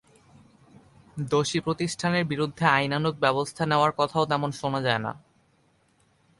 দোষী প্রতিষ্ঠানের বিরুদ্ধে আইনানুগ ব্যবস্থা নেওয়ার কথাও তেমন শোনা যায় না।